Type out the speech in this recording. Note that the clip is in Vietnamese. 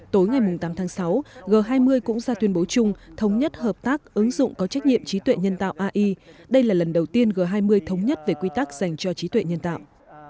tối ngày tám tháng sáu g hai mươi cũng ra tuyên bố chung thống nhất hợp tác ứng dụng có trách nhiệm trí tuệ nhân tạo ai đây là lần đầu tiên g hai mươi thống nhất về quy tắc dành cho trí tuệ nhân tạo